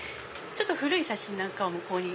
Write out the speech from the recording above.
古い写真なんかを向こうに。